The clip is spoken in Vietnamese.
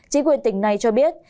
chính quyền tỉnh này cho biết